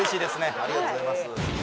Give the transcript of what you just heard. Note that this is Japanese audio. ありがとうございます